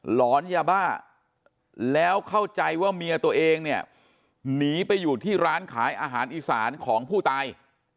หลอนยาบ้าแล้วเข้าใจว่าเมียตัวเองเนี่ยหนีไปอยู่ที่ร้านขายอาหารอีสานของผู้ตาย